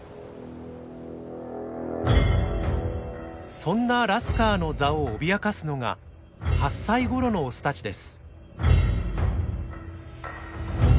そんなラスカーの座をおびやかすのが８歳ごろのオスたちです。